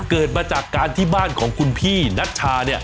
เกิดมาจากการที่บ้านของคุณพี่นัชชาเนี่ย